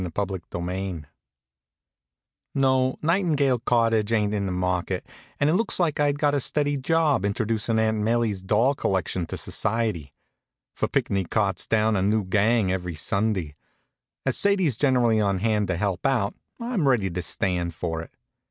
CHAPTER XI No, Nightingale Cottage ain't in the market, and it looks like I'd got a steady job introducin' Aunt 'Melie's doll collection to society; for Pinckney carts down a new gang every Sunday. As Sadie's generally on hand to help out, I'm ready to stand for it.